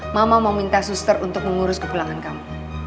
mama mau minta suster untuk mengurus ke pulangan kamu